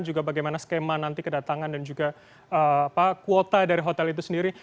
juga bagaimana skema nanti kedatangan dan juga kuota dari hotel itu sendiri